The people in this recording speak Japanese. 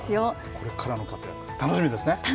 これからの活躍、楽しみですね。